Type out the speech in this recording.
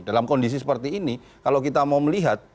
dalam kondisi seperti ini kalau kita mau melihat